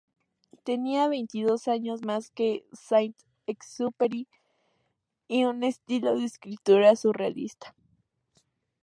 Tenía veintidós años más que Saint-Exupery, y un estilo de escritura surrealista.